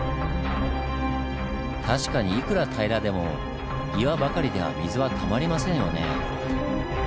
確かにいくら平らでも岩ばかりでは水はたまりませんよね。